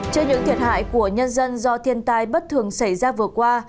trên những thiệt hại của nhân dân do thiên tai bất thường xảy ra vừa qua